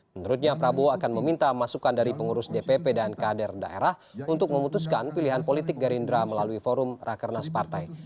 menurutnya prabowo akan meminta masukan dari pengurus dpp dan kader daerah untuk memutuskan pilihan politik gerindra melalui forum rakernas partai